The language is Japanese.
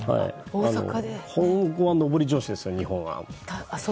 今後は上り調子です、日本は。